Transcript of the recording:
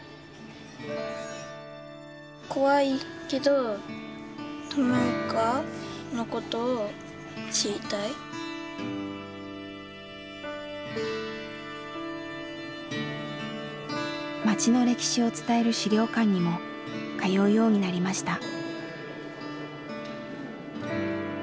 怖いけど町の歴史を伝える資料館にも通うようになりました。